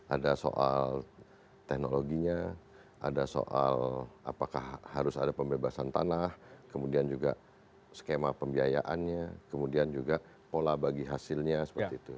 ada soal teknologinya ada soal apakah harus ada pembebasan tanah kemudian juga skema pembiayaannya kemudian juga pola bagi hasilnya seperti itu